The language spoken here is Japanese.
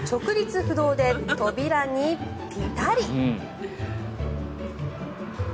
不動で扉にピタリ。